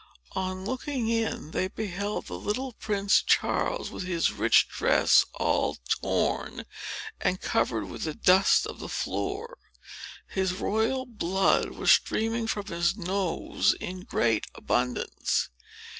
On looking in, they beheld the little Prince Charles, with his rich dress all torn, and covered with the dust of the floor. His royal blood was streaming from his nose in great abundance.